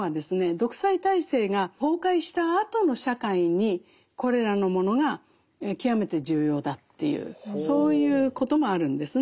独裁体制が崩壊したあとの社会にこれらのものが極めて重要だというそういうこともあるんですね。